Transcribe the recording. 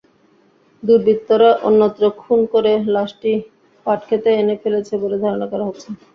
দুবৃর্ত্তরা অন্যত্র খুন করে লাশটি পাটখেতে এনে ফেলেছে বলে ধারণা করা হচ্ছে।